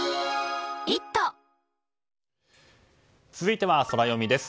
続いては、ソラよみです。